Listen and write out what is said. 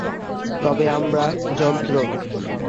তবে আমরা যন্ত্র।